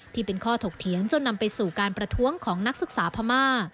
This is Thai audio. ที่เป็นข้อถกเถียงจนนำไปสู่การประท้วงของนักศึกษาพม่า